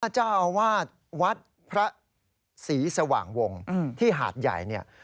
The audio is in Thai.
ถ้าเจ้าเอาวาดวัดพระศรีสว่างวงที่หาดใหญ่